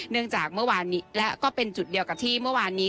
จากเมื่อวานนี้และก็เป็นจุดเดียวกับที่เมื่อวานนี้